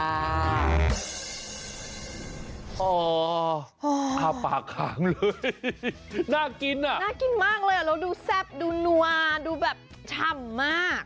อ่าปากค้างเลยน่ากินอ่ะน่ากินมากเลยแล้วดูแซ่บดูนัวดูแบบฉ่ำมาก